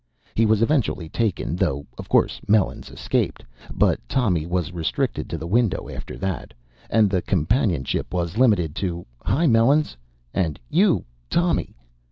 He was eventually taken, though, of course, Melons escaped. But Tommy was restricted to the window after that, and the companionship was limited to "Hi Melons!" and "You Tommy!"